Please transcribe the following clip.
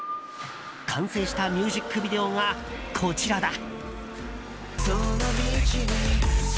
完成したミュージックビデオがこちらだ。